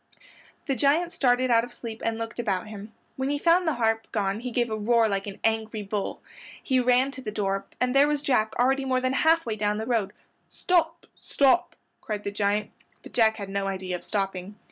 The giant started out of sleep and looked about him. When he found the harp gone he gave a roar like an angry bull. He ran to the door and there was Jack already more than half way down the road. "Stop! stop!" cried the giant, but Jack had no idea of stopping.